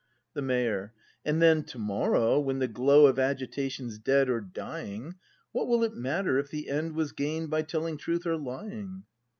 The Mayor. And then, to morrow, when the glow Of agitation's dead, or dying, What will it matter if the end Was gain'd by telling truth, or lying?